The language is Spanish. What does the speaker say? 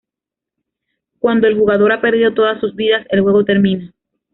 Cuando el jugador ha perdido todas sus vidas, el juego termina.